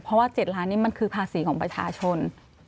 เพราะว่า๗ล้านนี่มันคือภาษีของประชาชน